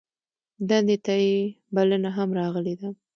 دندې ته یې بلنه هم راغلې ده.